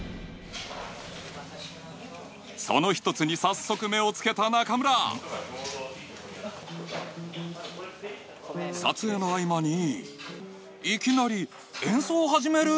その一つに早速目を付けた中村撮影の合間にいきなり演奏を始める？